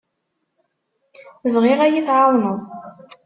Bɣiɣ ad iyi-tɛawneḍ.